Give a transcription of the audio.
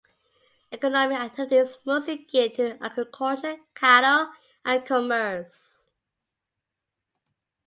Economic activity is mostly geared to agriculture, cattle, and commerce.